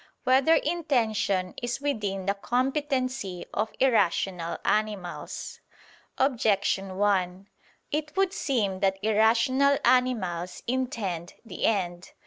5] Whether Intention Is Within the Competency of Irrational Animals? Objection 1: It would seem that irrational animals intend the end.